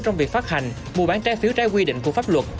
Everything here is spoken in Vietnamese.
trong việc phát hành mua bán trái phiếu trái quy định của pháp luật